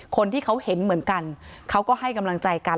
คนที่เขาเห็นเหมือนกันเขาก็ให้กำลังใจกัน